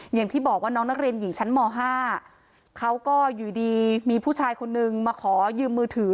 อย่างที่บอกว่าน้องนักเรียนหญิงชั้นม๕เขาก็อยู่ดีมีผู้ชายคนนึงมาขอยืมมือถือ